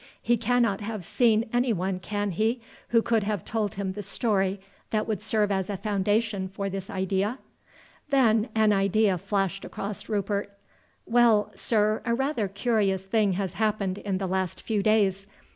He cannot have seen anyone, can he, who could have told him any story that would serve as a foundation for this idea?" Then an idea flashed across Rupert. "Well, sir, a rather curious thing has happened in the last few days.